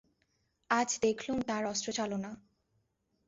আজ দেখলুম তাঁর অস্ত্রচালনা।